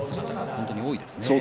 本当に多いですね。